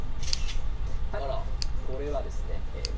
これはですね若い！